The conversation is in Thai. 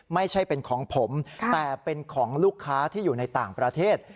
ไม่ใช่เป็นของผมแต่เป็นของลูกค้าที่อยู่ในต่างประเทศ